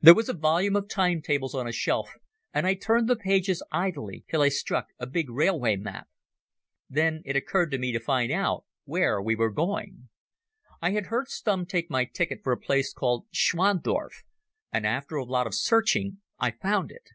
There was a volume of time tables on a shelf, and I turned the pages idly till I struck a big railway map. Then it occurred to me to find out where we were going. I had heard Stumm take my ticket for a place called Schwandorf, and after a lot of searching I found it.